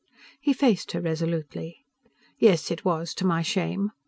He faced her resolutely. "Yes, it was: to my shame...